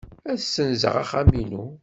Ad ssenzeɣ axxam-inu.